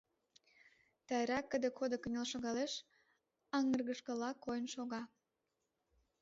Тайра кыде-кодо кынел шогалеш, аҥыргышыла койын шога.